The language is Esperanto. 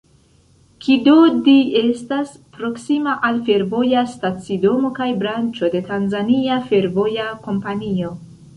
Kidodi estas proksima al fervoja stacidomo kaj branĉo de Tanzania Fervoja Kompanio.